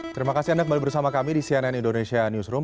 terima kasih anda kembali bersama kami di cnn indonesia newsroom